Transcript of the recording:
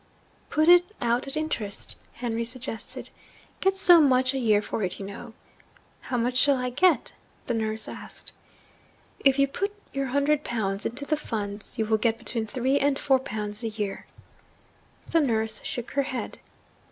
'Put it out at interest,' Henry suggested. 'Get so much a year for it, you know.' 'How much shall I get?' the nurse asked. 'If you put your hundred pounds into the Funds, you will get between three and four pounds a year.' The nurse shook her head.